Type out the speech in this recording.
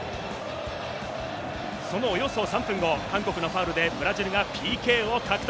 そのおよそ３分後、韓国のファウルでブラジルがＰＫを獲得。